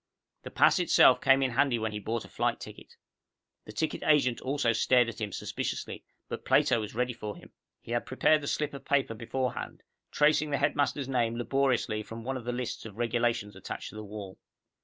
The pass itself came in handy when he bought a flight ticket. The ticket agent also stared at him suspiciously, but Plato was ready for him. He had prepared the slip of paper beforehand, tracing the headmaster's name laboriously from one of the lists of regulations attached to the wall.